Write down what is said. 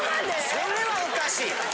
それはおかしい。